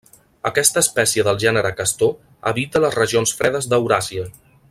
Aquesta espècie del gènere castor habita les regions fredes d'Euràsia.